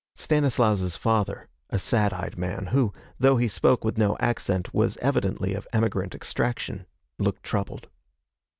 Stanislaus's father, a sad eyed man, who, though he spoke with no accent, was evidently of emigrant extraction, looked troubled.